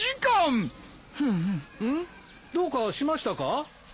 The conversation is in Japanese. んっ？どうかしましたか？